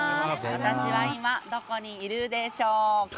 私は今、どこにいるでしょうか。